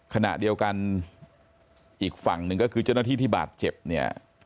ขณะเดียวกันอีกฝั่งหนึ่งก็คือเจ้าหน้าที่ที่บาดเจ็บเนี่ย